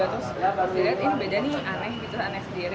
terus dilihat ini beda nih aneh gitu aneh sendiri